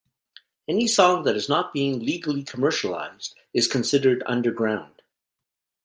Any song that is not being legally commercialized is considered underground.